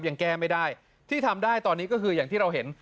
ยังแก้ไม่ได้ที่ทำได้ตอนนี้ก็คืออย่างที่เราเห็น